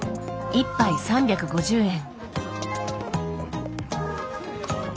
１杯３５０円。